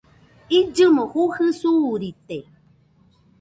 Illɨmo jujɨ suurite